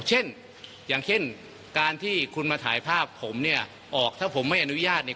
เช่นอย่างเช่นการที่คุณมาถ่ายภาพผมเนี่ยออกถ้าผมไม่อนุญาตเนี่ย